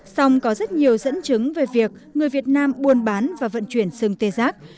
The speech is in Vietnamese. song có rất nhiều dẫn chứng về việc người việt nam buôn bán và vận chuyển sừng tê giác